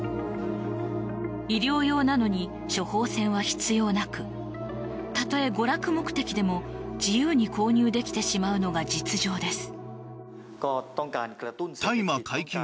医療用なのに処方箋は必要なくたとえ娯楽目的でも自由に購入できてしまうのが実情です。